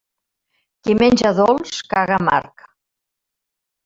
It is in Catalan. Qui menja dolç, caga amarg.